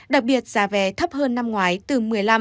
đặc biệt giá vé thấp hơn năm ngoái từ một mươi năm hai mươi